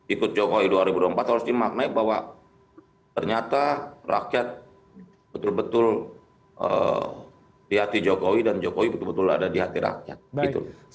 ikut jokowi dua ribu dua puluh empat harus dimaknai bahwa ternyata rakyat betul betul di hati jokowi dan jokowi betul betul ada di hati rakyat